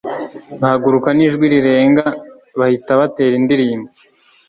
bahaguruka n'ijwi rirenga bahita batera indirimbo